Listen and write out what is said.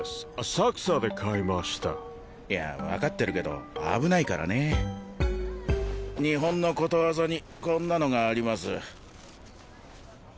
浅草で買いましたいや分かってるけど危ないからね日本のことわざにこんなのがあります